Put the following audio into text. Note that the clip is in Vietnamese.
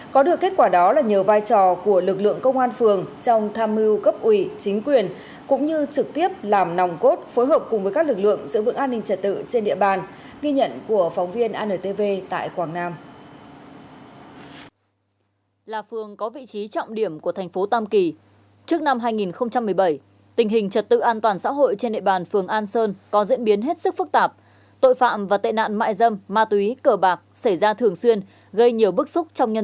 có được kết quả đó là nhờ vai trò của lực lượng công an phường trong tham mưu cấp ủy chính quyền cũng như trực tiếp làm nòng cốt phối hợp cùng với các lực lượng giữ vững an ninh trật tự trên địa bàn